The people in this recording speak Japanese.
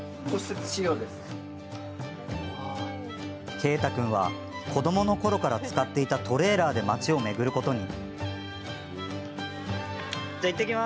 啓太君は子どものころから使っていたトレーラーで町を巡ることに。